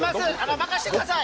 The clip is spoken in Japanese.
任せてください。